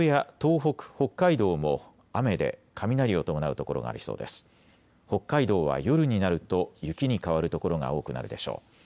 北海道は夜になると雪に変わる所が多くなるでしょう。